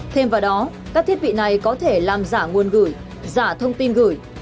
thêm vào đó các thiết bị này có thể làm giả nguồn gửi giả thông tin gửi